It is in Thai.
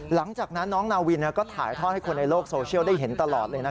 หลังจากนั้นน้องนาวินก็ถ่ายทอดให้คนในโลกโซเชียลได้เห็นตลอดเลยนะ